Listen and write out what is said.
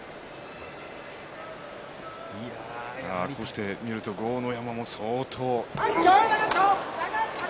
こうして見ると豪ノ山も相当。